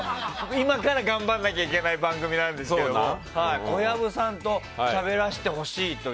今から頑張らなきゃいけない番組なんですけど小籔さんとしゃべらせてほしいと。